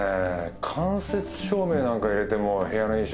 間接照明なんか入れても部屋の印象